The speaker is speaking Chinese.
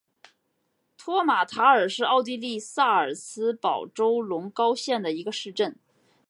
托马塔尔是奥地利萨尔茨堡州隆高县的一个市镇。